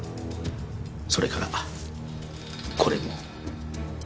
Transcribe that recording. それからこれも。